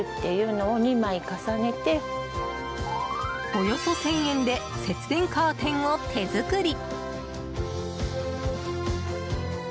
およそ１０００円で節電カーテンを手作り。